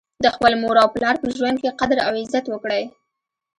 د خپل مور او پلار په ژوند کي قدر او عزت وکړئ